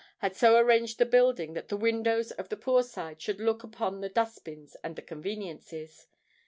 —had so arranged the building, that the windows of the Poor Side should look upon the dust bins and the conveniences.